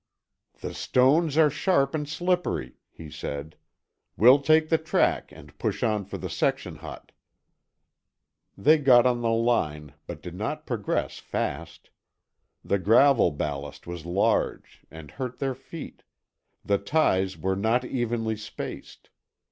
"The stones are sharp and slippery," he said. "We'll take the track and push on for the section hut." They got on the line, but did not progress fast. The gravel ballast was large and hurt their feet; the ties were not evenly spaced.